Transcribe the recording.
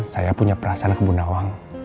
saya punya perasaan ke bu nawa